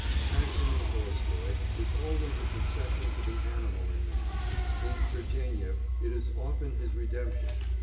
Passion in Tolstoy is always a concession to the animal in man; in Turgénief it is often his redemption.